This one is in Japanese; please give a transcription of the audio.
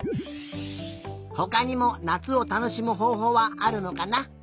ほかにもなつをたのしむほうほうはあるのかな？